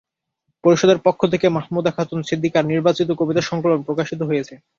পরিষদের পক্ষ থেকে মাহমুদা খাতুন সিদ্দিকার নির্বাচিত কবিতা সংকলন প্রকশিত হয়েছে।